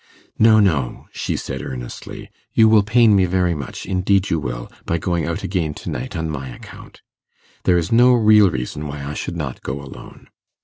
'No, no,' she said, earnestly, 'you will pain me very much indeed you will, by going out again to night on my account. There is no real reason why I should not go alone.